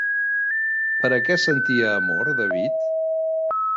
Per a què sentia amor David?